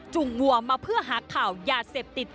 วัวมาเพื่อหาข่าวยาเสพติด